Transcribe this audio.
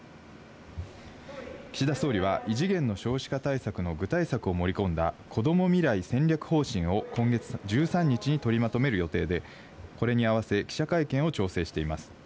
岸田総理は異次元の少子化対策の具体策を盛り込んだ、こども未来戦略方針を今月１３日に取りまとめる予定で、これに合わせ、記者会見を調整しています。